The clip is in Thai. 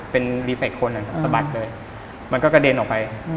เป็นรีเฟคคนนะครับสะบัดเลยมันก็กระเด็นออกไป